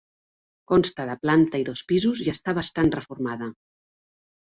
Consta de planta i dos pisos i està bastant reformada.